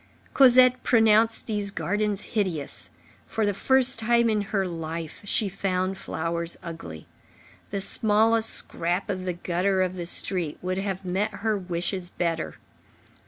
Cosette pronounced these gardens hideous: for the first time in her life, she found flowers ugly. The smallest scrap of the gutter of the street would have met her wishes better.